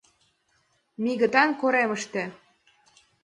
— Мигытан коремыште.